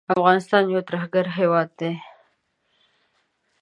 افغانستان یو ترهګر هیواد دی